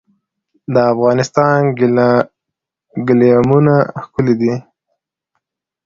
د افغانستان ګلیمونه ښکلي دي